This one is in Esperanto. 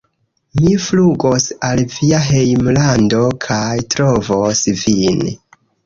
Mi flugos al via hejmlando kaj trovos vin